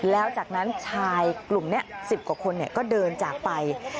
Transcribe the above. แล้วจากนั้นชายกลุ่มนี้๑๐กว่าคนก็เดินจากไป